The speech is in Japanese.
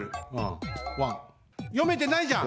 よめてないじゃん！